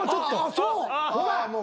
そう。